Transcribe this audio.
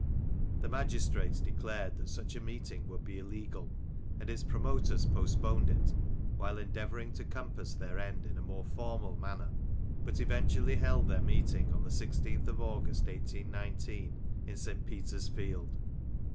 The magistrates declared that such a meeting would be illegal ; and its promoters postponed it while endeavouring to compass their end in a more formal manner, but eventually held their meeting on the i6th of August 1819, in St. Peter's Field.